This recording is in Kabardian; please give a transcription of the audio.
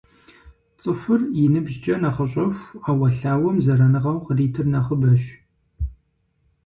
ЦӀыхур и ныбжькӀэ нэхъыщӀэху, Ӏэуэлъауэм зэраныгъэу къритыр нэхъыбэщ.